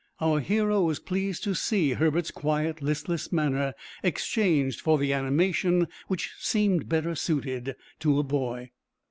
Our hero was pleased to see Herbert's quiet, listless manner exchanged for the animation which seemed better suited to a boy.